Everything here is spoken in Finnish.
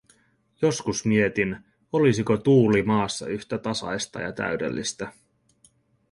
Joskus mietin, olisiko tuuli maassa yhtä tasaista ja täydellistä.